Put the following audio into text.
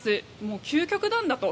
究極なんだと。